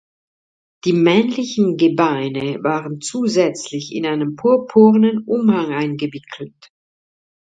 Die männlichen Gebeine waren zusätzlich in einen purpurnen Umhang eingewickelt.